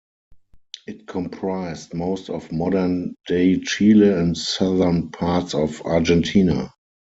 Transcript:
It comprised most of modern-day Chile and southern parts of Argentina.